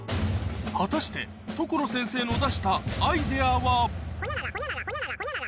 果たして所先生の出したアイデアは？